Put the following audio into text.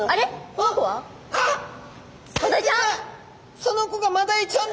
その子がマダイちゃんです！